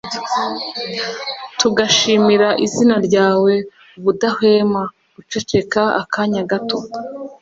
tugashimira izina ryawe ubudahwema. (guceceka akanya gato